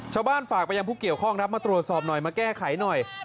ชาวบ้านฝากไปยังผู้เกี่ยวข้องมาตรวจสอบหน่อยมาแก้ไขหน่อย